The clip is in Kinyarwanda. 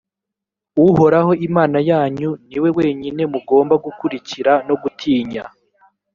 uhoraho imana yanyu ni we wenyine mugomba gukurikira no gutinya;